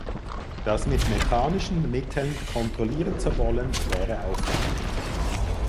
Das mit mechanischen Mitteln kontrollieren zu wollen wäre aufwändig.